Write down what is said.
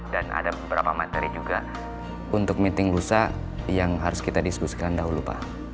dan ada beberapa materi juga untuk meeting lusa yang harus kita diskusikan dahulu pak